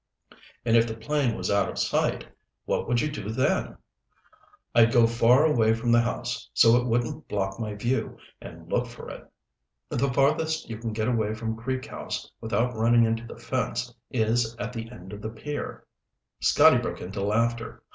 "And if the plane was out of sight, what would you do then?" "I'd go far away from the house, so it wouldn't block my view, and look for it." "The farthest you can get away from Creek House, without running into the fence, is at the end of the pier." Scotty broke into laughter.